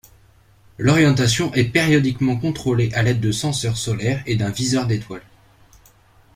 L'orientation est périodiquement contrôlée à l'aide de senseurs solaires et d'un viseur d'étoiles.